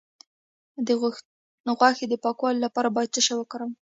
د غوښې د پاکوالي لپاره باید څه شی وکاروم؟